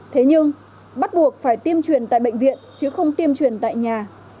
thế nhưng bắt buộc phải tiêm truyền tại bệnh viện chứ không tiêm truyền tại nhà